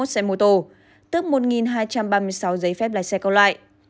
một chín trăm bảy mươi một xe mô tô tức một hai trăm ba mươi sáu giấy phép lái xe câu loại